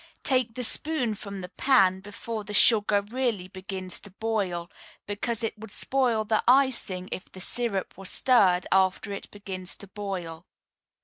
Take the spoon from the pan before the sugar really begins to boil, because it would spoil the icing if the syrup were stirred after it begins to boil.